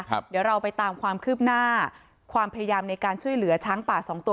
เดี๋ยวเราไปตามความคืบหน้าความพยายามในการช่วยเหลือช้างป่าสองตัว